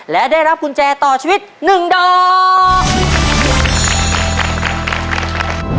และได้รับกุญแจต่อชีวิต๑ดอก